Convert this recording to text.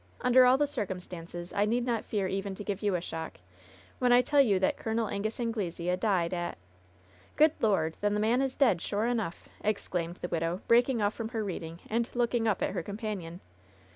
Under all the circum stances, I need not fear even to give you a shock, when I tell you that Col. Angus Anglesea died at ^^ "Good Lord! then the man is dead, sure enough!" exclaimed the widow, breaking off from her readings and looking up at her companion.